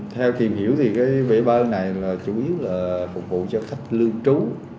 theo tìm hiểu thì cái bể bơi này là chủ yếu là phục vụ cho khách lưu trú